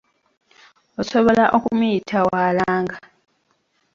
Osobola okumuyita waalanga.